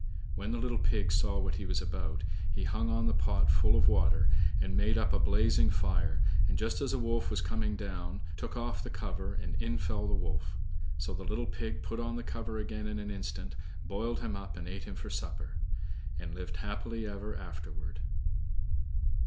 When the little pig saw what he was about, he hung on the pot full of water, and made up a blazing fire, and, just as the wolf was coming down, took off the cover, and in fell the wolf; so the little pig put on the cover again in an instant, boiled him up, and ate him for supper, and lived happy ever afterward.